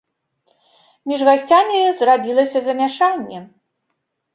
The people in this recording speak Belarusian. Між гасцямі зрабілася замяшанне.